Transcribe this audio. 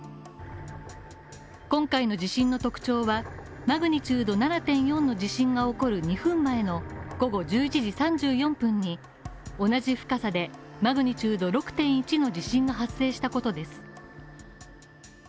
今回の地震の特徴は、マグニチュード７．４の地震が起こる２分前の午後１１時３４分に、同じ深さでマグニチュード６．１の地震が発生したことです。